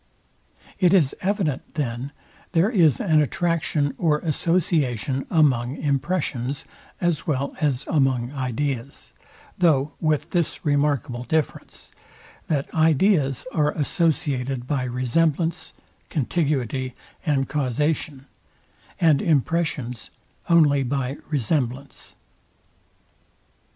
It is evident, then, there is an attraction or association among impressions, as well as among ideas; though with this remarkable difference, that ideas are associated by resemblance, contiguity, and causation; and impressions only by resemblance.